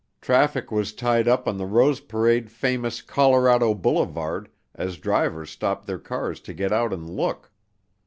Traffic was tied up on the Rose Parade famous Colorado Boulevard as drivers stopped their cars to get out and look.